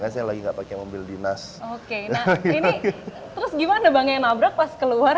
saya lagi nggak pakai mobil dinas oke nah ini terus gimana bang yang nabrak pas keluar